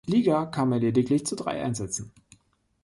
Liga kam er lediglich zu drei Einsätzen.